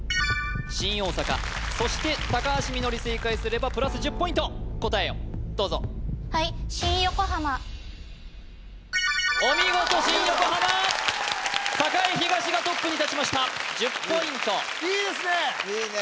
そしてみのり正解すればプラス１０答えをどうぞはいお見事新横浜栄東がトップに立ちました１０ポイントいいですね